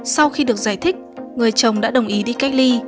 sau khi được giải thích người chồng đã đồng ý đi cách ly